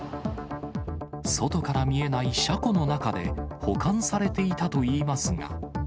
外から見えない車庫の中で、保管されていたといいますが。